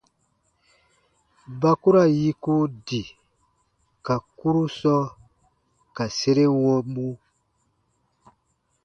Ba ku ra yiku di ka kurusɔ ka sere wɔmu.